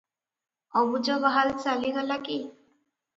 ଅବୁଜବାହାଲ ଚାଲିଗଲା କି?